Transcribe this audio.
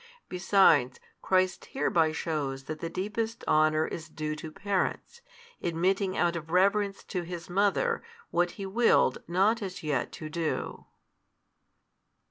Besides, Christ hereby shews that the deepest honour is due to parents, admitting out of reverence to His Mother what He willed not as yet to do.